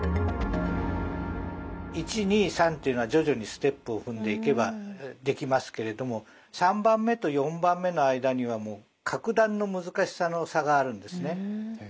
１２３というのは徐々にステップを踏んでいけばできますけれども３番目と４番目の間にはもう格段の難しさの差があるんですね。